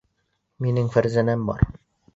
Минең Фәрзәнәм бар!